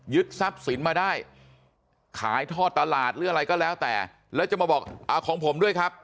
ทรัพย์สินมาได้ขายทอดตลาดหรืออะไรก็แล้วแต่แล้วจะมาบอกเอาของผมด้วยครับ